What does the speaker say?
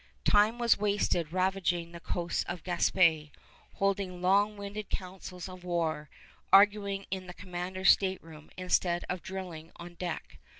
Time was wasted ravaging the coasts of Gaspé, holding long winded councils of war, arguing in the commander's stateroom instead of drilling on deck.